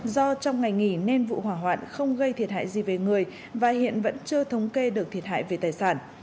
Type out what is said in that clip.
do trong ngày nghỉ nên vụ hỏa hoạn không gây thiệt hại gì về người và hiện vẫn chưa thống kê được thiệt hại về tài sản